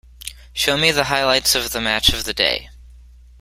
Show me the highlights of the match of the day.